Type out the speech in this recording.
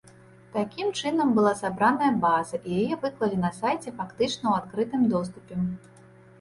Такім чынам была сабраная база і яе выклалі на сайце фактычна ў адкрытым доступе.